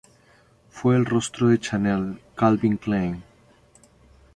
Fue el rostro de Chanel, Calvin Klein.